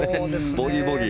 ボギー、ボギー。